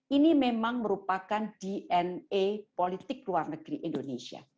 ini memang merupakan dna politik luar negeri indonesia